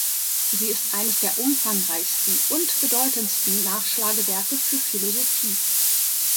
Sie ist eines der umfangreichsten und bedeutendsten Nachschlagewerke für Philosophie.